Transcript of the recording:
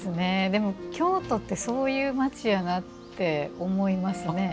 でも京都ってそういう町やなって思いますね。